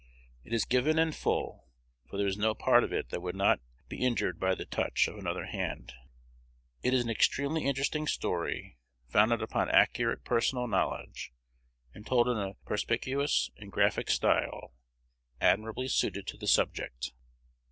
It is given in full; for there is no part of it that would not be injured by the touch of another hand. It is an extremely interesting story, founded upon accurate personal knowledge, and told in a perspicuous and graphic style, admirably suited to the subject.